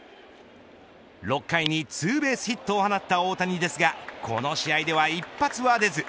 ６回にツーベースヒットを放った大谷ですがこの試合では一発は出ず。